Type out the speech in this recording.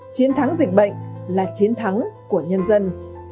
chiến thắng dịch bệnh là chiến thắng của nhân dân